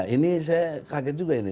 ini saya kaget juga ini